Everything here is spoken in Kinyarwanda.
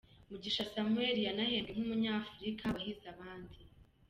Mugisha Samuel yanahembwe nk'umunyafurika wahize abandi .